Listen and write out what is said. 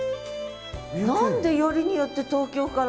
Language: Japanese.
何でよりによって東京から？